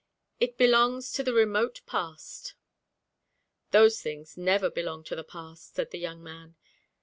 It belongs to the remote past.' 'Those things never belong to the past,' said the young man.